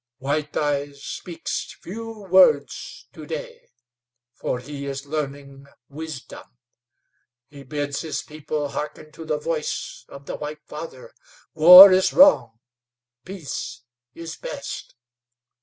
"White Eyes speaks few words to day, for he is learning wisdom; he bids his people hearken to the voice of the White Father. War is wrong; peace is best.